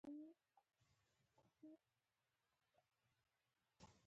موږ پتېیلې وه چې هغه د نورمال وګړي په ډول وي